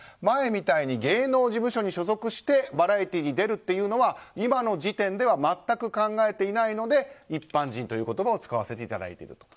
前みたいに芸能事務所に所属してバラエティーに出るっていうのは今の時点で全く考えていないので一般人という言葉を使わせていただいている。